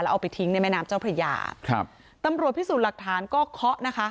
เอาไปทิ้งในแม่น้ำเจ้าพระยาครับตำรวจพิสูจน์หลักฐานก็เคาะนะคะ